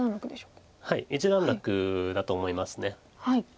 はい一段落だと思います。